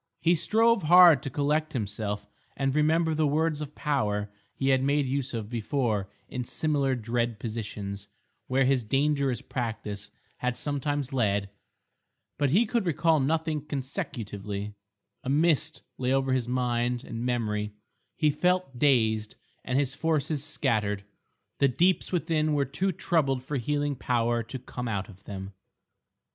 He strove hard to collect himself and remember the words of power he had made use of before in similar dread positions where his dangerous practice had sometimes led; but he could recall nothing consecutively; a mist lay over his mind and memory; he felt dazed and his forces scattered. The deeps within were too troubled for healing power to come out of them.